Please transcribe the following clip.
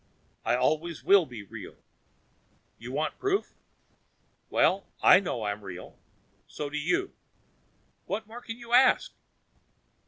I always will be real. You want proof? Well, I know I'm real. So do you. What more can you ask?"